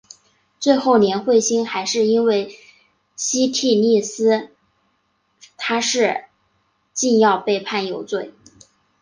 最后连惠心还是因为西替利司他是禁药被判有罪。